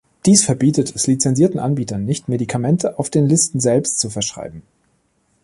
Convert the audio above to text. Dies verbietet es lizensierten Anbietern nicht, Medikamente auf den Listen selbst zu verschreiben.